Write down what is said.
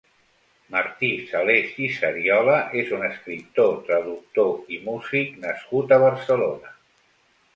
Martí Sales i Sariola és un escriptor, traductor i músic nascut a Barcelona.